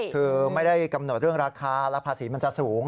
คือไม่ได้กำหนดเรื่องราคาและภาษีมันจะสูง